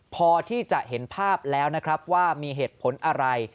พอที่จะเห็นภาพแล้วนะครับว่ามีเหตุผลอะไร